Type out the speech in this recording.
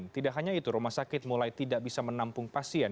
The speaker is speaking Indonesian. tidak hanya itu rumah sakit mulai tidak bisa menampung pasien